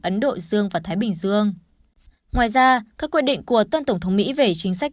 ấn độ dương và thái bình dương ngoài ra các quyết định của tân tổng thống mỹ về chính sách